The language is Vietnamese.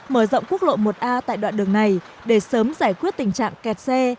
mở rộng quốc lộ một a tại đoạn đường này để sớm giải quyết tình trạng kẹt xe